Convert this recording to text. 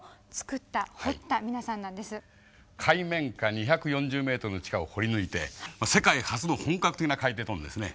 海面下２４０ｍの地下を掘り抜いて世界初の本格的な海底トンネルですね。